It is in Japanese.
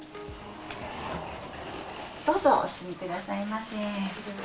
どうぞお進みくださいませ。